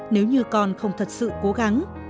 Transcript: nếu như con không thật sự cố gắng